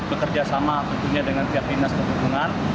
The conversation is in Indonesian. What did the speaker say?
bekerjasama dengan pihak dinas perhubungan